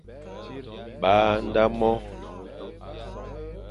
Ba nda mo,